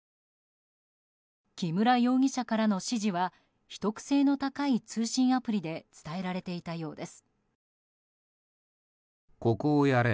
木村容疑者からの指示は秘匿性の高い通信アプリで伝えられていたようです。